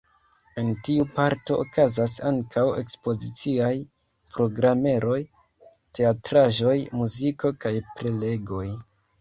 En tiu parto okazas ankaŭ ekspoziciaj programeroj: teatraĵoj, muziko kaj prelegoj.